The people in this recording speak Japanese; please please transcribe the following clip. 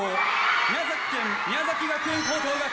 宮崎県宮崎学園高等学校です。